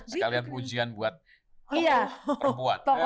sekalian ujian buat perempuan